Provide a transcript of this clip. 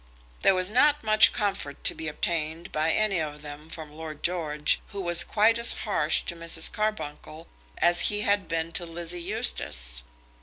There was not much of comfort to be obtained by any of them from Lord George, who was quite as harsh to Mrs. Carbuncle as he had been to Lizzie Eustace.